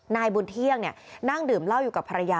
นายบุญเที่ยงนั่งดื่มเหล้าอยู่กับภรรยา